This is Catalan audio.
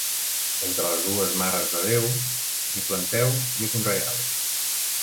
Entre les dues Mares de Déu, ni planteu ni conreeu.